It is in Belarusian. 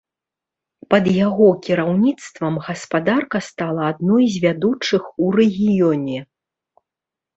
Пад яго кіраўніцтвам гаспадарка стала адной з вядучых у рэгіёне.